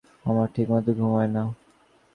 আমার ঠিকমত ঘুম হয় না।